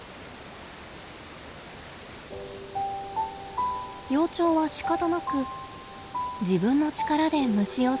幼鳥はしかたなく自分の力で虫を探し始めました。